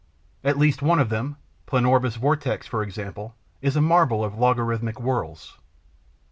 At least one of them, Planorbis vortex, for example, is a marvel of logarithmic whorls.